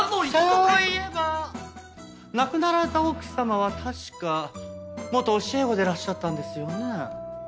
そういえば亡くなられた奥様は確か元教え子でいらっしゃったんですよね？